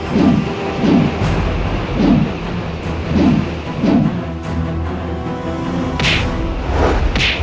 saya akan menjaga kebenaran raden